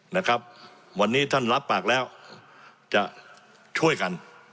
นะครับวันนี้ท่านรับปากแล้วจะช่วยกัน